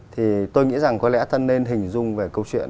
thì tôi nghĩ rằng có lẽ thân nên hình dung về câu chuyện